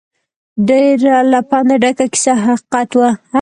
ډېره له پنده ډکه کیسه او حقیقت وه.